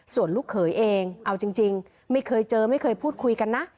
ส่วนลูกเขยเองเอาจริงไม่เคยเจอไม่เคยพูดคุยกันนะ